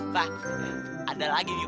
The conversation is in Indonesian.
fah ada lagi nih fah